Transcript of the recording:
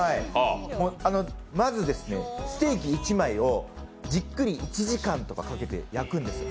まずステーキ１枚をじっくり１時間とかかけて焼くんです。